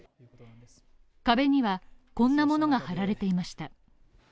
壁には、こんなものが貼られていました。